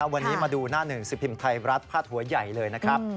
วันนี้มาดูหน้าหนึ่งสิบพิมพ์ไทยรัฐพาดหัวใหญ่เลยนะครับ